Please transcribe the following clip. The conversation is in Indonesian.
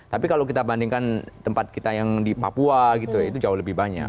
tapi kalau kita bandingkan tempat kita yang di papua gitu ya itu jauh lebih banyak